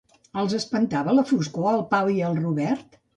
Els espantava la foscor al Pau i al Robert?